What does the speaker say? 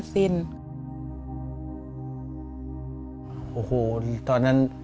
พ่อลูกรู้สึกปวดหัวมาก